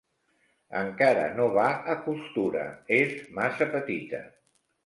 Encara no va a costura: és massa petita.